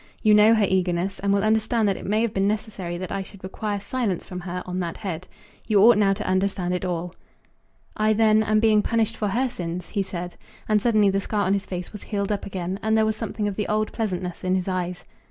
You know her eagerness, and will understand that it may have been necessary that I should require silence from her on that head. You ought now to understand it all." "I then am being punished for her sins," he said; and suddenly the scar on his face was healed up again, and there was something of the old pleasantness in his eyes.